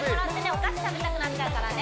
お菓子食べたくなっちゃうからね